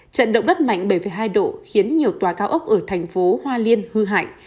trận động đất mạnh bảy hai độ khiến nhiều tòa cao ốc ở thành phố hoa liên hư hại